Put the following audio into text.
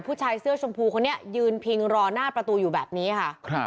ผู้ชายเสื้อชมพูคนนี้ยืนพิงรอหน้าประตูอยู่แบบนี้ค่ะ